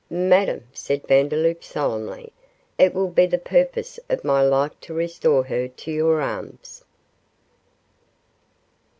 'Madame,' said Vandeloup, solemnly, 'it will be the purpose of my life to restore her to your arms.